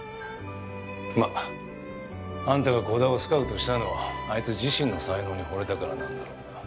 まああんたが鼓田をスカウトしたのはあいつ自身の才能に惚れたからなんだろうが。